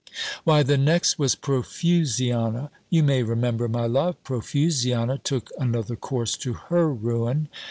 "Why the next was Profusiana, you may remember, my love. Profusiana took another course to her ruin.